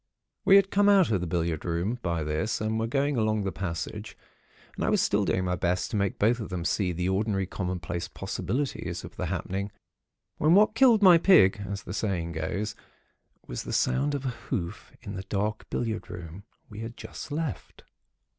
"We had come out of the billiard room, by this, and were going along the passage; and I was still doing my best to make both of them see the ordinary, commonplace possibilities of the happening, when what killed my pig, as the saying goes, was the sound of a hoof in the dark billiard room, we had just left.